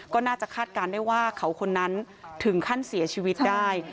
ก็น่าจะคาดการณ์ได้ว่าเขาคนนั้นถึงขั้นเสียชีวิตได้